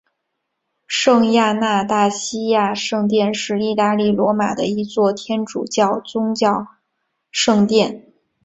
圣亚纳大西亚圣殿是意大利罗马的一座天主教宗座圣殿。